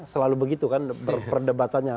selalu begitu kan perdebatannya